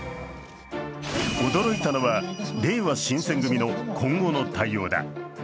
驚いたのは、れいわ新選組の今後の対応だ。